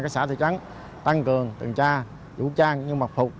các xã thị trấn tăng cường tuần tra vũ trang như mặc phục